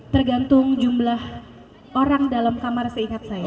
tergantung jumlah orang dalam kamar seingat saya